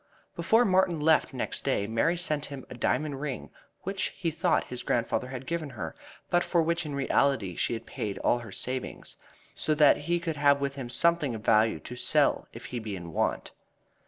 Before Martin left next day Mary sent him a diamond ring, which he thought his grandfather had given her, but for which in reality she had paid all her savings, so that he should have with him something of value to sell if he be in want.